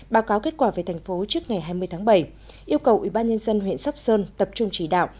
báo cáo kết quả về thành phố trước ngày hai mươi tháng bảy yêu cầu ủy ban nhân dân huyện sóc sơn tập trung chỉ đạo